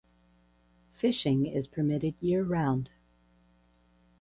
Fishing is permitted year round.